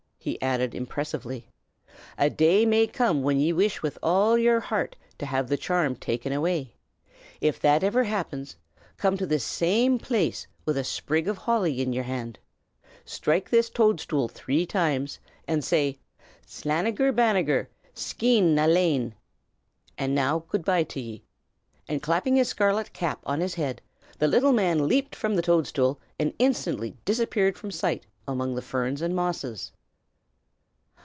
he added, impressively. "A day may come when ye will wish with all yer heart to have the charm taken away. If that ever happens, come to this same place with a sprig of holly in yer hand. Strike this toadstool three times, and say, 'Slanegher Banegher, Skeen na Lane!' And now good by to ye!" and clapping his scarlet cap on his head, the little man leaped from the toadstool, and instantly disappeared from sight among the ferns and mosses.